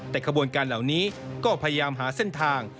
แต่ขบวนการเหล่านี้ก็พยายามหาเส้นทาง